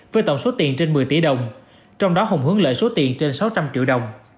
với tổng số tiền trên một mươi tỷ đồng trong đó hùng hướng lợi số tiền trên sáu trăm linh triệu đồng